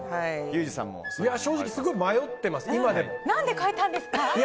正直迷ってます、今でも。何で変えたんですか？